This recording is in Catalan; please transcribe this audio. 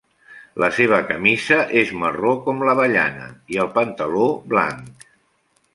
La seva camisa és marró com l'avellana i el pantaló blanc.